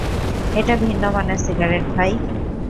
এটা ভিন্ন মানের সিগারেট, ভাই!